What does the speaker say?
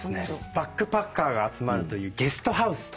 バックパッカーが集まるというゲストハウスと。